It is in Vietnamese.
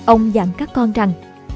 ông dặn các con rằng